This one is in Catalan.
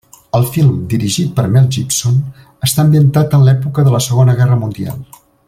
El film, dirigit per Mel Gibson, està ambientat en l'època de la Segona Guerra Mundial.